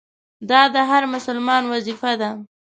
دا د هر مسلمان وظیفه ده.